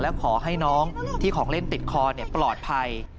และขอให้น้องที่ของเล่นติดคอปลอดภัย